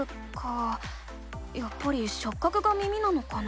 やっぱりしょっ角が耳なのかな？